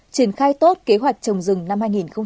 triển khai tốt kế hoạch trồng rừng năm hai nghìn một mươi sáu